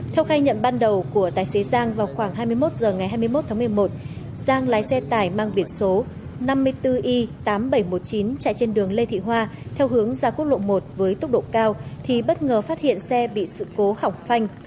theo khai nhận ban đầu của tài xế giang vào khoảng hai mươi một h ngày hai mươi một tháng một mươi một giang lái xe tải mang biển số năm mươi bốn i tám nghìn bảy trăm một mươi chín chạy trên đường lê thị hoa theo hướng ra quốc lộ một với tốc độ cao thì bất ngờ phát hiện xe bị sự cố hỏng phanh